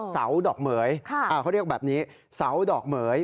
สาวดอกเหมือยค่ะอ่าเขาเรียกแบบนี้สาวดอกเหมือย